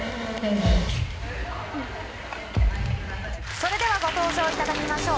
それではご登場いただきましょう。